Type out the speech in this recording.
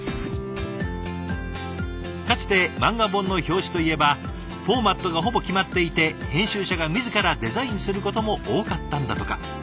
かつて漫画本の表紙といえばフォーマットがほぼ決まっていて編集者が自らデザインすることも多かったんだとか。